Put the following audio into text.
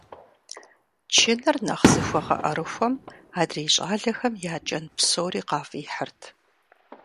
Чыныр нэхъ зыхуэгъэӀэрыхуэм адрей щӀалэхэм я кӀэн псори къафӀихьырт.